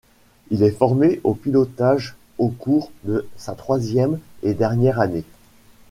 Il est formé au pilotage au cours de sa troisième et dernière année.